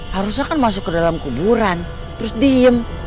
harusnya kan masuk ke dalam kuburan terus diem